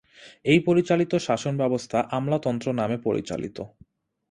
এই পরিচালিত শাসন ব্যবস্থা আমলাতন্ত্র নামে পরিচিত।